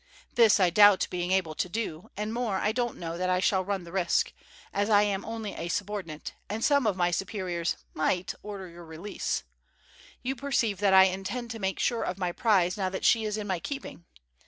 This I doubt being able to do, and more, I don't know that I shall run the risk, as I am only a subordinate, and some of my superiors might order your release. You perceive that I intend to make sure of my prize now that she is in my keeping.